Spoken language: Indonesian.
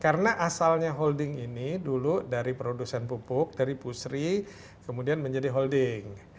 karena asalnya holding ini dulu dari produsen pupuk dari pusri kemudian menjadi holding